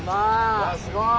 うわっすごい！